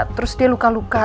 terus dia luka luka